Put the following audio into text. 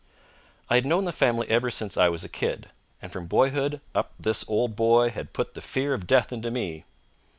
I had known the family ever since I was a kid, and from boyhood up this old boy had put the fear of death into me.